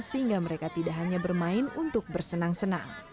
sehingga mereka tidak hanya bermain untuk bersenang senang